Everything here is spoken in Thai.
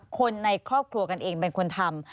คนในครอบครัวกันเองเป็นคนทำ